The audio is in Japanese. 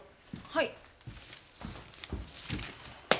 はい。